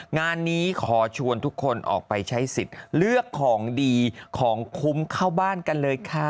งานนี้ขอชวนทุกคนออกไปใช้สิทธิ์เลือกของดีของคุ้มเข้าบ้านกันเลยค่ะ